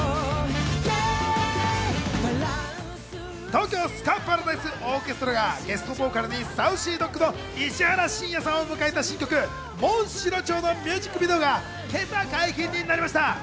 東京スカパラダイスオーケストラがゲストボーカルにＳａｕｃｙＤｏｇの石原慎也さんを迎えた新曲『紋白蝶』のミュージックビデオが今朝解禁になりました。